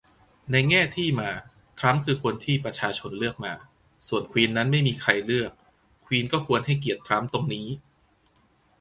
ในแง่ที่มา ทรัมป์คือคนที่ประชาชนเลือกมา ส่วนควีนนั้นไม่มีใครเลือก ควีนก็ควรให้เกียรติทรัมป์ตรงนี้